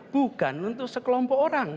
bukan untuk sekelompok orang